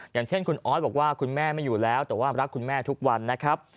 อย่างเช่นคุณออสบอกว่าคุณแม่ไม่อยู่แล้วแต่ว่ารักคุณแม่ทุกวันนะครับ